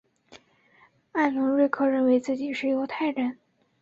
艾伦瑞克认为自己是犹太人。